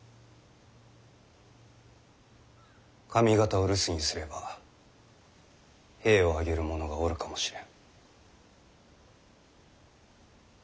上方を留守にすれば兵を挙げる者がおるかもしれん。